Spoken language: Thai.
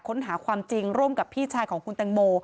ค้นหาความจริงร่วมกับพี่ชายของคุณแตงโม